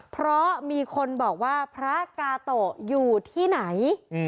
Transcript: เพราะมีคนบอกว่าพระกาโตะอยู่ที่ไหน